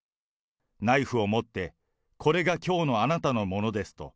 ナイフを持って、これがきょうのあなたのものですと。